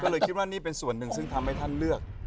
ก็เลยคิดว่านี่เป็นส่วนหนึ่งซึ่งทำให้ท่านเลือก